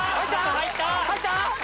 入った？